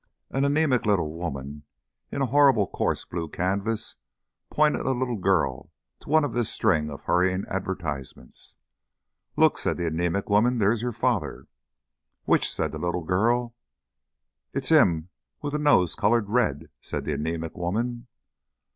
An anæmic little woman in horrible coarse blue canvas pointed a little girl to one of this string of hurrying advertisements. "Look!" said the anæmic woman: "there's yer father." "Which?" said the little girl. "'Im wiv his nose coloured red," said the anæmic woman.